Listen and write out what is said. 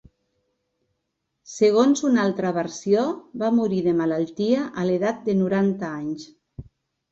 Segons una altra versió, va morir de malaltia a l'edat de noranta anys.